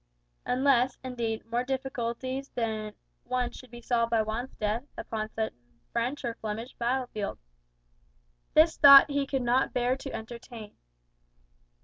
Unless, indeed, more difficulties than one should be solved by Juan's death upon some French or Flemish battle field. This thought he could not bear to entertain.